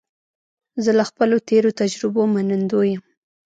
زه له خپلو تېرو تجربو منندوی یم.